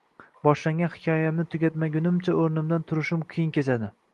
Boshlagan hikoyamni tugatmagunimcha o‘rnimdan turishim qiyin kechadi